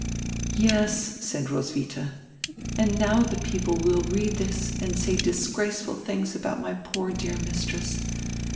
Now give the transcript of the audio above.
"Yes," said Roswitha, "and now the people will read this and say dis graceful tilings about my poor dear mistress.